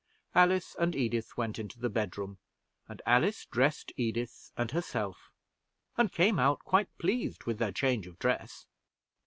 Alice and Edith went into the bedroom, and Alice dressed Edith and herself, and came out quite pleased with their change of dress.